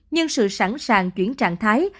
nhưng sự sẵn sàng chuyển trạng thái